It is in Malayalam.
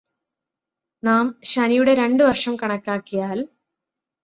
നാം ശനിയുടെ രണ്ട് വർഷം കണക്കാക്കിയാൽ